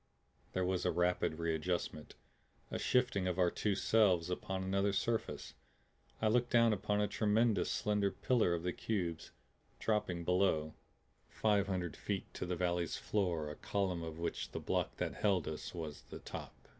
There was a rapid readjustment, a shifting of our two selves upon another surface. I looked down upon a tremendous, slender pillar of the cubes, dropping below, five hundred feet to the valley's floor a column of which the block that held us was the top.